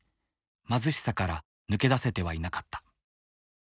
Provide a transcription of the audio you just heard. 貧しさから抜け出せてはいなかった。